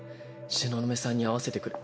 東雲さんに会わせてくれ。